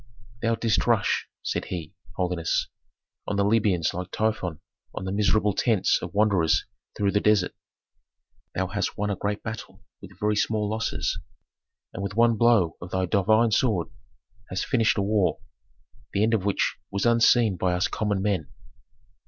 "Thou didst rush," said he, "holiness, on the Libyans like Typhon on the miserable tents of wanderers through the desert. Thou hast won a great battle with very small losses, and with one blow of thy divine sword hast finished a war, the end of which was unseen by us common men."